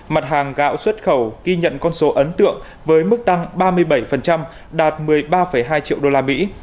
mặt hàng gạo xuất khẩu ghi nhận con số ấn tượng với mức tăng ba mươi bảy đạt một mươi ba hai triệu đô la mỹ